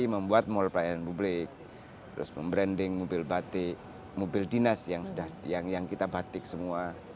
membuat mall pelayanan publik terus membranding mobil batik mobil dinas yang kita batik semua